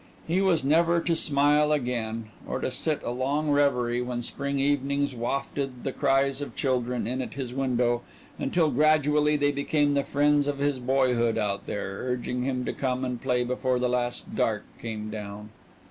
He was never to smile again or to sit in a long reverie when spring evenings wafted the cries of children in at his window until gradually they became the friends of his boyhood out there, urging him to come and play before the last dark came down.